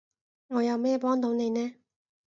我有咩幫到你呢？